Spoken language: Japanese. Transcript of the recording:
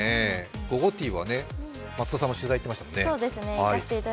午後ティーは松田さんも取材に行っていましたもんね。